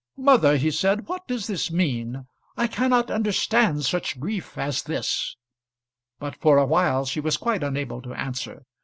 "Mother," he said, "what does this mean? I cannot understand such grief as this." But for a while she was quite unable to answer.